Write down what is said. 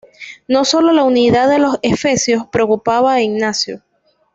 No solo la unidad de los efesios preocupaba a Ignacio.